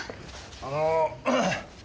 あの。